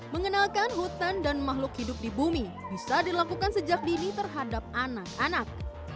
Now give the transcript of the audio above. mengenalkan hutan dan makhluk hidup di bumi bisa dilakukan sejak dini terhadap anak anak